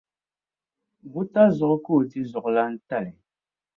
Buta zuɣu ka o di zuɣulaan'tali.